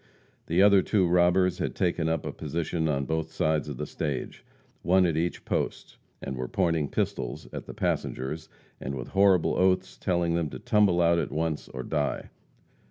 The other two robbers had taken up a position on both sides of the stage one at each post, and were pointing pistols at the passengers, and with horrible oaths telling them to "tumble out" at once, or die.